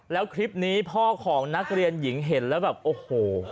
แล้วคลิปนี้พ่อของนักเรียนหญิงเห็นแล้วแบบโอ้โห